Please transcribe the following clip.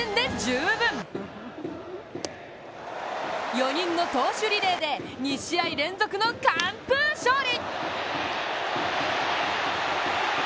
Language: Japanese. ４人の投手リレーで２試合連続の完封勝利。